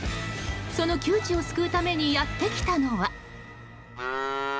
その窮地を救うためにやってきたのは。